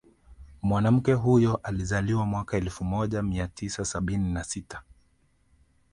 Mwanamke huyo alizaliwa mwaka elfu moja mia tisa sabini na sita